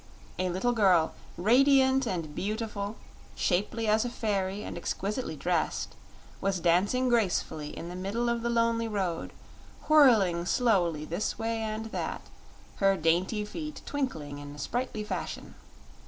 A little girl, radiant and beautiful, shapely as a fairy and exquisitely dressed, was dancing gracefully in the middle of the lonely road, whirling slowly this way and that, her dainty feet twinkling in sprightly fashion.